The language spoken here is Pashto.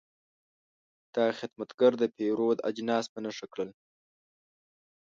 دا خدمتګر د پیرود اجناس په نښه کړل.